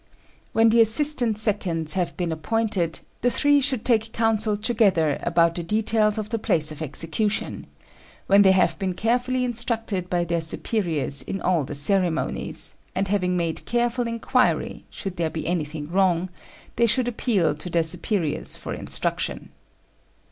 When the assistant seconds have been appointed, the three should take counsel together about the details of the place of execution, when they have been carefully instructed by their superiors in all the ceremonies; and having made careful inquiry, should there be anything wrong, they should appeal to their superiors for instruction.